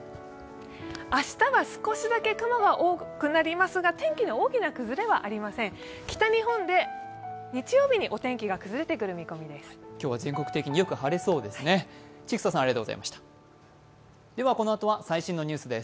明日は少しだけ雲が多くなりますが、天気の大きな崩れはありません北日本で日曜日にお天気が崩れてくる見込みです。